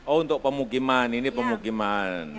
oh untuk pemukiman ini pemukiman